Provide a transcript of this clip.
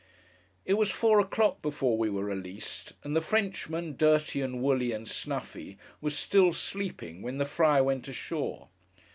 It was four o'clock before we were released; and the Frenchman, dirty and woolly, and snuffy, was still sleeping when the Friar went ashore.